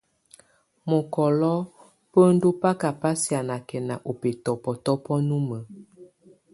Mɔkɔlɔ bendu baka ba sianakɛna ɔ bɛtɔbɔtɔbɔ numə.